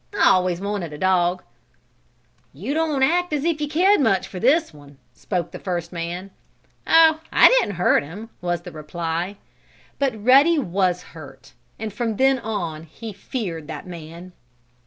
I always wanted a dog." "You don't act as if you cared much for this one," spoke the first man. "Oh, I didn't hurt him," was the reply. But Ruddy was hurt, and from then on he feared that man.